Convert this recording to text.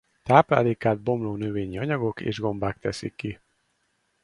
Táplálékát bomló növényi anyagok és gombák teszik ki.